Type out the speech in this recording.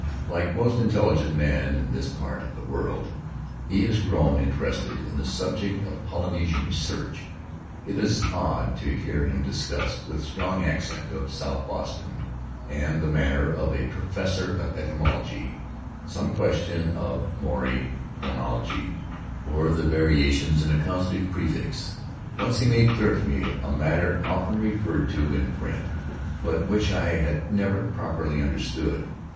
Like most intelligent men in this part of the world, he has grown interested in the subject of Polynesian research; it is odd to hear him discuss —■ with a strong accent of South Boston and the manner of a professor of ethnology — some question of Maori chronology, or the variations in a causative prefix. Once he made clear to me a matter often referred to in print, but which I had never properly understood.